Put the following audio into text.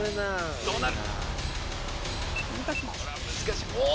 どうなる？